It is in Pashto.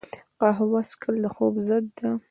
قهوه څښل د خوب ضد ده